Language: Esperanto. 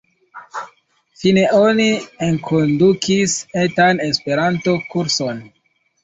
Fine oni enkondukis etan Esperanto kurson.